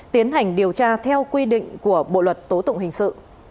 tiến hành điều tra theo quy định của bộ luật tố tụng hình sự